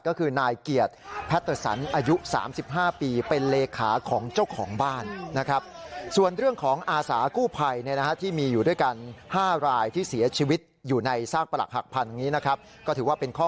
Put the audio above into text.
ก็คือนายเกียรติแพทรสันอายุ๓๕ปี